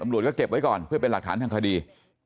ตำรวจก็เก็บไว้ก่อนเพื่อเป็นหลักฐานทางคดี